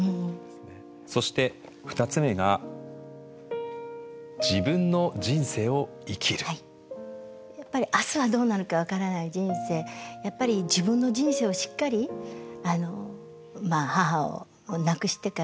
そして２つ目がやっぱり明日はどうなるか分からない人生やっぱり自分の人生をしっかりまあ母を亡くしてからまた見つめ直す。